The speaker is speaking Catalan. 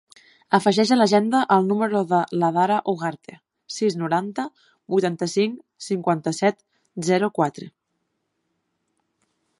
Afegeix a l'agenda el número de l'Adara Ugarte: sis, noranta, vuitanta-cinc, cinquanta-set, zero, quatre.